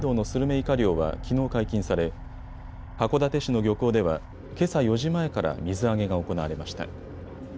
イカ漁はきのう解禁され函館市の漁港ではけさ４時前から水揚げが行われました。